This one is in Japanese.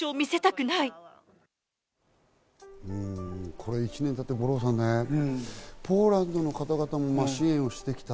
これ１年経って、五郎さんね、ポーランドの方々も支援してきた。